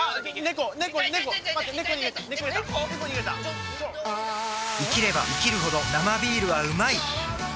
ネコ逃げた生きれば生きるほど「生ビール」はうまい！